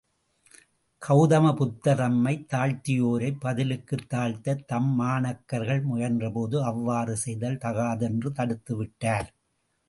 கவுதமப் புத்தர், தம்மைத் தாழ்த்தியோரைப் பதிலுக்குத் தாழ்த்தத் தம்மாணாக்கர்கள் முயன்றபோது, அவ்வாறு செய்தல் தகாது என்று தடுத்துவிட்டார்.